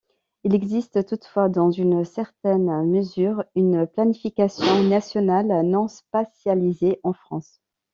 Il existe toutefois, dans une certaine mesure, une planification nationale non spatialisée en France.